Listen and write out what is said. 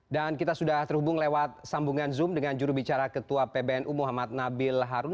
dan kita sudah terhubung lewat sambungan zoom dengan juru bicara ketua pbnu muhammad nabil harun